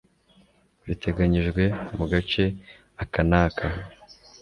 biteganyijwe mu gace aka n aka